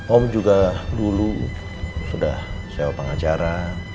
om juga dulu sudah sewa pengacara